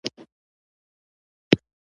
رودز د دې سیمې پراخه ځمکې لاندې کړې.